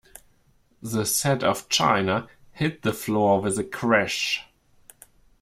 The set of china hit the floor with a crash.